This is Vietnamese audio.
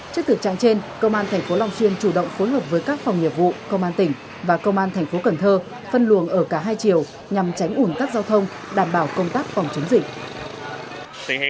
trước thực trạng trên công an tp long xuyên chủ động phối hợp với các phòng nghiệp vụ công an tỉnh và công an thành phố cần thơ phân luồng ở cả hai chiều nhằm tránh ủn tắc giao thông đảm bảo công tác phòng chống dịch